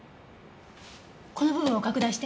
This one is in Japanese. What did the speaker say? この部分を拡大して。